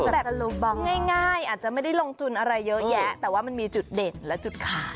แบบง่ายอาจจะไม่ได้ลงทุนอะไรเยอะแยะแต่ว่ามันมีจุดเด่นและจุดขาย